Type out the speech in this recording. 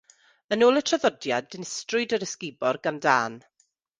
Yn ôl y traddodiad, dinistriwyd yr ysgubor gan dân.